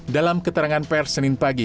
dalam keterangan pers senin pagi